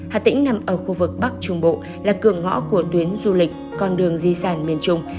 hà tĩnh nằm ở khu vực bắc trung bộ là cửa ngõ của tuyến du lịch con đường di sản miền trung